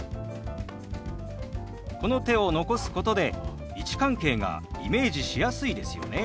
この手を残すことで位置関係がイメージしやすいですよね。